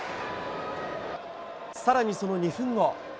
さらにその２分後。